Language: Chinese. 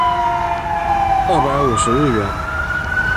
两百五十日圆